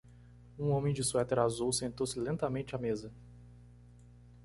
Um homem de suéter azul sentou-se lentamente à mesa.